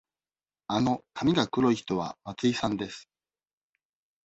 あの髪が黒い人は松井さんです。